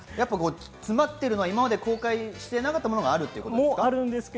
詰まっているのは今まで公開していなかったものがあるんですか？